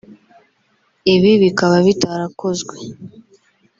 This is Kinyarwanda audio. ibi bikaba bitarakozwe